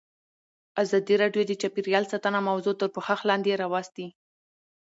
ازادي راډیو د چاپیریال ساتنه موضوع تر پوښښ لاندې راوستې.